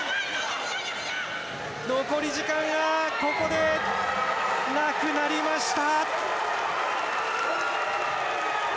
残り時間がここでなくなりました。